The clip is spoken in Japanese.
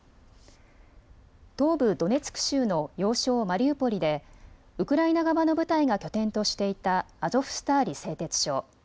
東部ドネツク州の要衝マリウポリでウクライナ側の部隊が拠点としていたアゾフスターリ製鉄所。